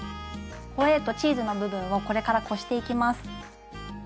ホエーとチーズの部分をこれからこしていきます。